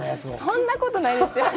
そんなことないですよ。